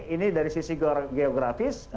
ini dari sisi geografis